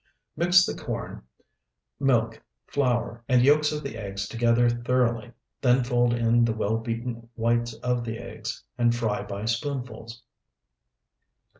Mix the corn, milk, flour, and yolks of the eggs together thoroughly. Then fold in the well beaten whites of the eggs, and fry by spoonfuls.